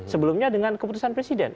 sebelumnya dengan keputusan presiden